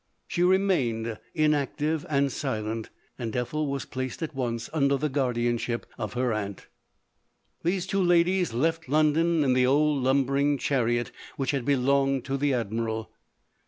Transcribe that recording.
She remained inac tive and silent, and Ethel was placed at once under the guardianship of her aunt. These two ladies left London in the old lumbering chariot which had belonged to the Admiral.